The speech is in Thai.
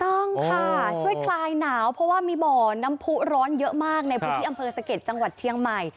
ต้องค่ะช่วยคลายหนาวเพราะว่ามีบ่อน้ำผู้ร้อนเยอะมากในพื้นที่อำเภอสะเด็ดจังหวัดเชียงใหม่